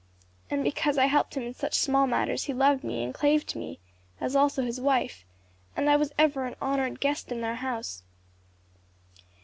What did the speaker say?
And because I helped him in such small matters he loved me and clave to me, as also his wife; and I was ever an honored guest in their house.